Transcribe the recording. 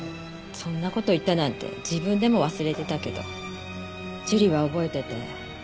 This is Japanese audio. そんな事言ったなんて自分でも忘れてたけど樹里は覚えてて。